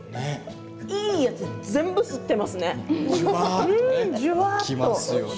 いい味を全部吸っていますよね。